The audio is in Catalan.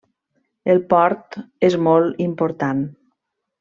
El port és molt important.